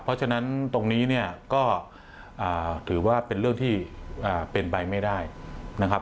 เพราะฉะนั้นตรงนี้เนี่ยก็ถือว่าเป็นเรื่องที่เป็นไปไม่ได้นะครับ